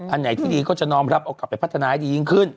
อันไหนที่ดีก็จะน้อมรับเอากลับไปพัฒนาให้ดียิ่งขึ้น